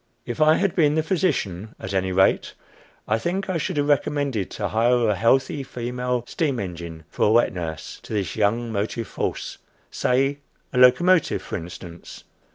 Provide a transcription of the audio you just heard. If I had been the physician, at any rate, I think I should have recommended to hire a healthy female steam engine for a wet nurse to this young motive force; say a locomotive, for instance.